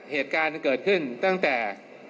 เหตุการณ์เกิดขึ้นตั้งแต่